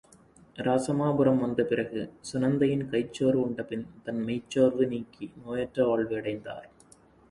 இராசமாபுரம் வந்த பிறகு சுநந்தையின் கைச்சோறு உண்ட பின் தன் மெய்ச்சோர்வு நீங்கி நோயற்ற வாழ்வை அடைந்தார்.